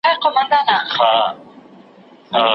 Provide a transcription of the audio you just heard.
موري که موړ یمه که وږی وړم درانه بارونه